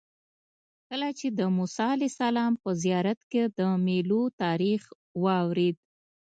کله چې د موسی علیه السلام په زیارت کې د میلو تاریخ واورېد.